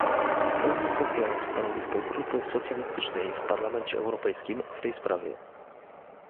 W pełni popieram stanowisko Grupy Socjalistycznej w Parlamencie Europejskim w tej sprawie